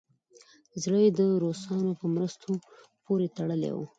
زړه یې د روسانو په مرستو پورې تړلی وو.